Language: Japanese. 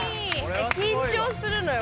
緊張するのよ